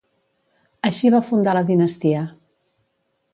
Així va fundar la dinastia.